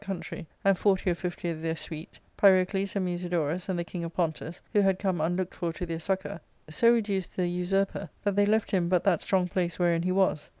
country, and forty or fifty of their suite, Pyrocles and Musi dorus, and the king of Pontus, who had come unlooked for to their succour, so reduced the usurper that they left him but that strong place wherein he was.